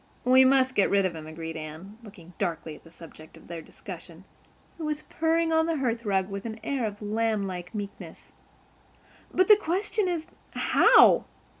"We must get rid of him," agreed Anne, looking darkly at the subject of their discussion, who was purring on the hearth rug with an air of lamb like meekness. "But the question is—how?